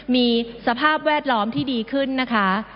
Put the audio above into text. มีสภาพแวดล้อมที่ดีขึ้นนะคะ